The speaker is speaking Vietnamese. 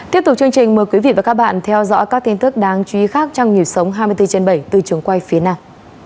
tiếp tục chương trình mời quý vị và các bạn theo dõi các tin tức đáng chú ý khác trong nhịp sống hai mươi bốn trên bảy từ trường quay phía nam